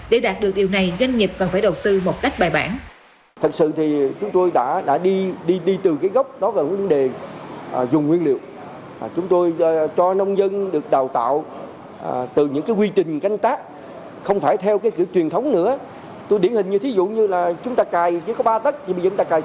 để đạt được điều này doanh nghiệp cần phải đầu tư một cách bài bản